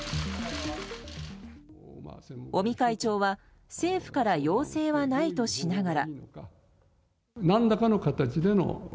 尾身会長は政府から要請はないとしながら。